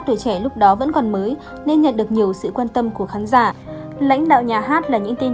tuổi trẻ lúc đó vẫn còn mới nên nhận được nhiều sự quan tâm của khán giả lãnh đạo nhà hát là những tin